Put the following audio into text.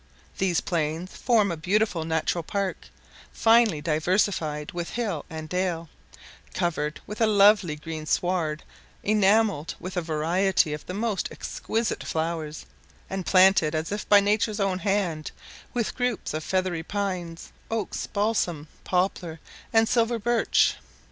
These plains form a beautiful natural park, finely diversified with hill and dale, covered with a lovely green sward, enamelled with a variety of the most exquisite flowers, and planted, as if by Nature's own hand, with groups of feathery pines, oaks, balsam, poplar, and silver birch.